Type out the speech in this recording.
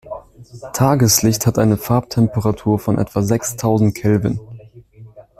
Tageslicht hat eine Farbtemperatur von etwa sechstausend Kelvin.